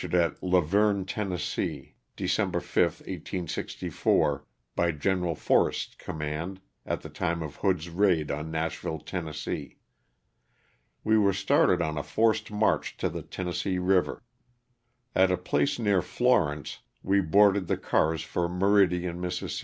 275 Vergne, Tenn., December 6, 1864, by Gen. Forrest's command at the time of Hood's raid on Nashville, Tenn. We were started on a forced march to the Tennessee river. At a place near Florence, we boarded the cars for Meridian, Miss.